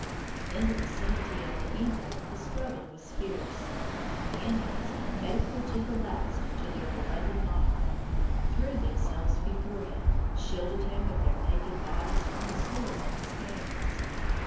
In the vicinity of the Inca the struggle was fierce. The Indians, faithful to the last to their beloved monarch, threw themselves before him, shielding him with their naked bodies from the swords of the Spaniards.